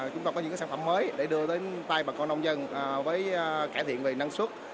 chúng tôi có những sản phẩm mới để đưa đến tay bà con nông dân với cải thiện về năng suất